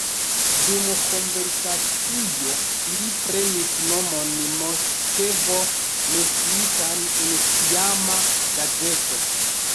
Dum konversacio ili prenis nomon Moskvo, menciitan en tiama gazeto.